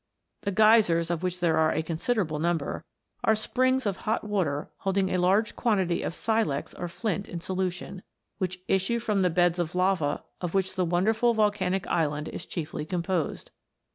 The Geysers, of which there are a considerable number, are springs of hot water holding a large quantity of silex or flint in solution, which issue 172 WATER BEWITCHED. from the beds of lava of which the wonderful vol canic island is chiefly composed.